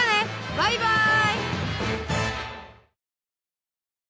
バイバイ！